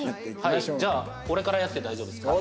じゃあ俺からやって大丈夫ですか？